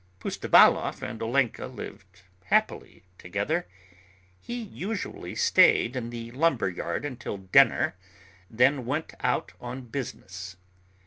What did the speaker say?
Pustovalov and Olenka lived happily together. He usually stayed in the lumber yard until dinner, then went out on business.